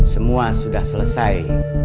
semua sudah selesai